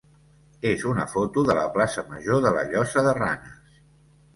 és una foto de la plaça major de la Llosa de Ranes.